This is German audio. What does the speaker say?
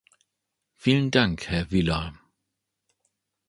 Vielen Dank, Herr Vila.